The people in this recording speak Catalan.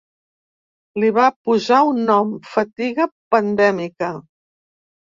Li va posar un nom, fatiga pandèmica.